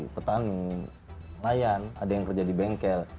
pertanian layan ada yang kerja di bengkel